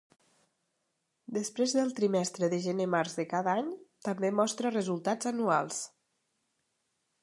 Després del trimestre de gener-març de cada any, també Mostra resultats anuals.